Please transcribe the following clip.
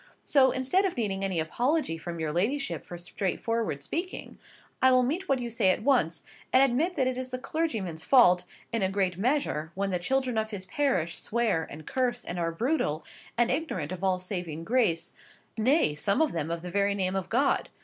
So, instead of needing any apology from your ladyship for straightforward speaking, I will meet what you say at once, and admit that it is the clergyman's fault, in a great measure, when the children of his parish swear, and curse, and are brutal, and ignorant of all saving grace; nay, some of them of the very name of God.